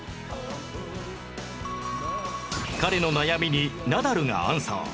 彼の悩みにナダルがアンサー